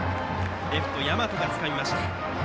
レフトの山戸がつかみました。